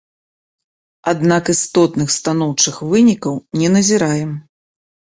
Аднак істотных станоўчых вынікаў не назіраем.